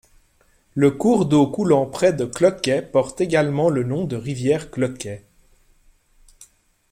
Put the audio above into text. Le cours d'eau coulant près de Cloquet porte également le nom de rivière Cloquet.